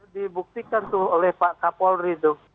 dibuktikan oleh pak kapolri